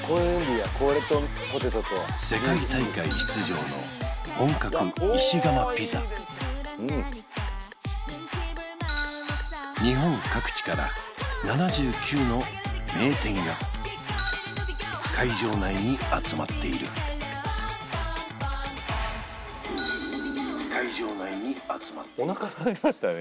これとポテトと世界大会出場の本格石窯ピザ日本各地から７９の名店が会場内に集まっているおなか鳴りましたよね？